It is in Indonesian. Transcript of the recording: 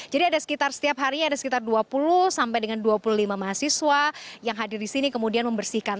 jadi ada sekitar setiap harinya ada sekitar dua puluh sampai dengan dua puluh lima mahasiswa yang hadir di sini kemudian membersihkan